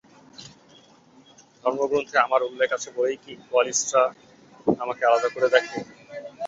ধর্মগ্রন্থে আমার উল্লেখ আছে বলেই কি কোয়ালিস্টরা আমাকে আলাদা করে দেখে?